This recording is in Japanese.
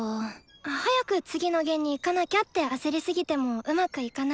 早く次の弦にいかなきゃって焦りすぎてもうまくいかないよ。